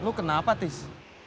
lo kenapa tis